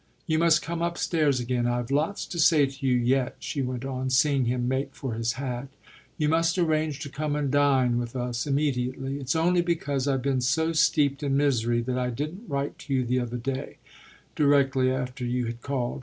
"You must come upstairs again I've lots to say to you yet," she went on, seeing him make for his hat. "You must arrange to come and dine with us immediately; it's only because I've been so steeped in misery that I didn't write to you the other day directly after you had called.